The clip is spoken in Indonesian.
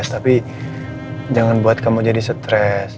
tapi jangan buat kamu jadi stres